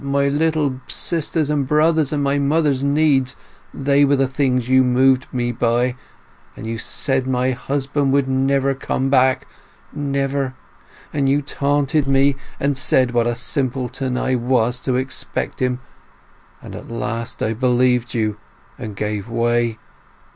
My little sisters and brothers and my mother's needs—they were the things you moved me by ... and you said my husband would never come back—never; and you taunted me, and said what a simpleton I was to expect him!... And at last I believed you and gave way!...